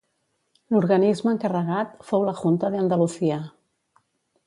L'organisme encarregat fou la Junta de Andalucía.